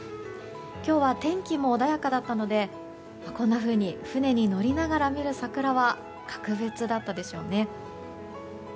今日は天気も穏やかだったので船に乗りながら見る桜は格別だったでしょうね。